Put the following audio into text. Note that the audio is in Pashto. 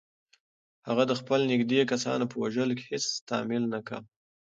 هغه د خپلو نږدې کسانو په وژلو کې هیڅ تامل نه کاوه.